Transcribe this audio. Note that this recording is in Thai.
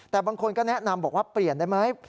แต่บางคนก็แนะนำบอกว่าเปลี่ยนได้ไหม